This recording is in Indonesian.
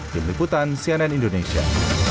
tim liputan cnn indonesia